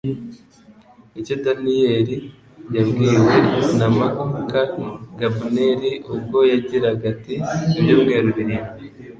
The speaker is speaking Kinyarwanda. ni cyo Danieli yabwiwe na makuka Gabneli ubwo yagiraga ati : "Ibyumweru birindwi